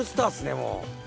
もう。